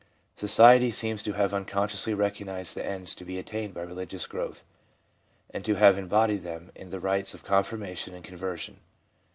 Society seems to have unconsciously recognised the ends to be attained by religious growth, and to have embodied them in the rites of confirmation and con version.